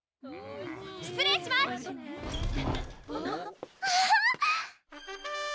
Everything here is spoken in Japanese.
・失礼します！・・・わぁ！